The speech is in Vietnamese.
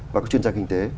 và các chuyên gia kinh tế